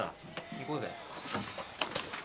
行こうぜ。